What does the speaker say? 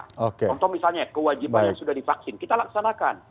contoh misalnya kewajiban yang sudah divaksin kita laksanakan